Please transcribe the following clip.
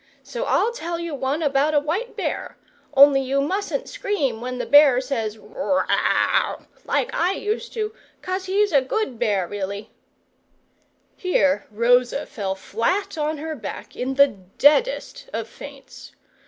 So I'll tell you one about a White Bear, only you mustn't scream when the bear says 'Wow,' like I used to, 'cos he's a good bear really " Here Rosa fell flat on her back in the deadest of faints.